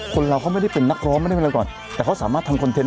คนเราเขาไม่ได้เป็นนักร้องไม่ได้เป็นอะไรก่อนแต่เขาสามารถทำคอนเทนต